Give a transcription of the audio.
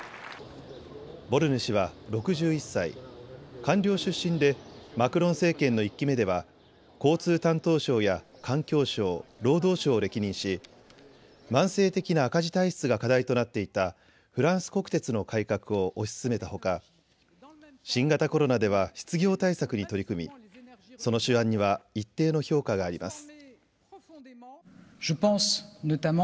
ボルヌ氏は６１歳官僚出身でマクロン政権の１期目では交通担当相や環境相、労働相を歴任し慢性的な赤字体質が課題となっていたフランス国鉄の改革を推し進めたほか、新型コロナでは失業対策に取り組み、その手腕には一定の評価があります。